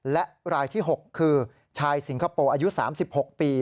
และรายที่๖คือชายสิงคโปร์อายุ๓๖ปี